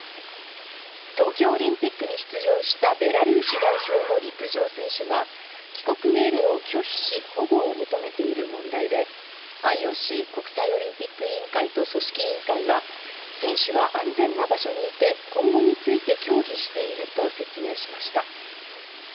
東京オリンピックに出場したベラルーシ代表の陸上選手が、帰国命令を拒否し、保護を求めている問題で、ＩＯＣ・国際オリンピック委員会と組織委員会は、選手は安全な場所にいて、今後について協議していると説明しました。